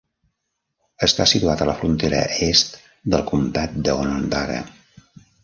Està situat a la frontera est del comtat d'Onondaga.